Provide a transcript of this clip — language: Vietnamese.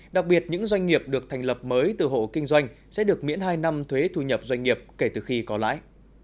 đặc biệt những doanh nghiệp được thành lập mới từ hộ kinh doanh sẽ được miễn hai năm thuế thu nhập doanh nghiệp kể từ khi có lãi